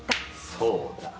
そうだ。